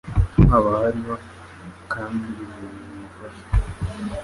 Haba hariho kandi ibindi bimufasha